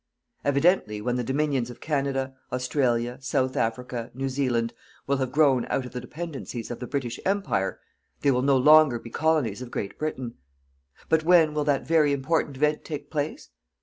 Evidently, when the Dominions of Canada, Australia, South Africa, New Zealand, will have grown out of the dependencies of the British Empire, they will no longer be Colonies of Great Britain. But when will that very important event take place?